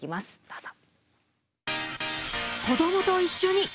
どうぞ。